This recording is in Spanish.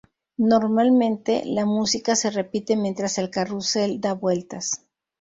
Normalmente, la música se repite mientras el carrusel da vueltas.